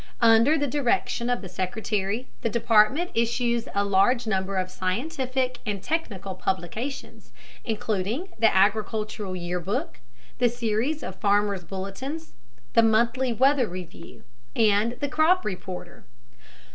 Under the direction of the Secretary the Department issues a large number of scientific and technical publications, including the Agricultural Yearbook, the series of Farmers' Bulletins, the Monthly Weather Review, and the Crop Reporter.